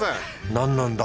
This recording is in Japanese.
何なんだ？